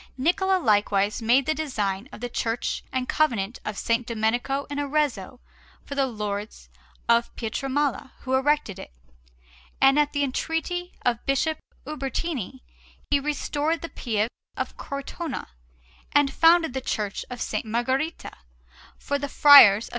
Niccola likewise made the design of the Church and Convent of S. Domenico in Arezzo for the Lords of Pietramala, who erected it. And at the entreaty of Bishop Ubertini he restored the Pieve of Cortona, and founded the Church of S. Margherita for the Friars of S.